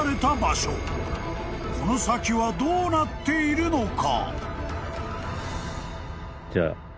［この先はどうなっているのか？］